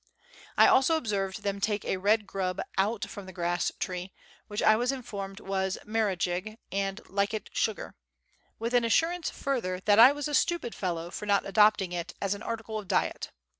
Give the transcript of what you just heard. I also observed them take a red grub out from the grass tree, which I was informed was " merrijig " and " likit sugar," with an assurance further, that I was a " stupid fellow" for not adopting it as anarticle of diet.